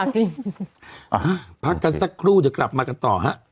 จริงพักกันสักครู่เดี๋ยวกลับมากันต่อฮะ